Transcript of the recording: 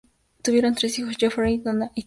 Tuvieron tres hijos: Jeffrey, Dana y Tyler.